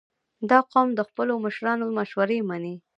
• دا قوم د خپلو مشرانو مشورې منې.